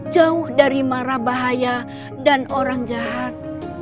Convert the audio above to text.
jauh dari marah bahaya dan orang jahat